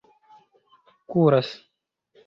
kuras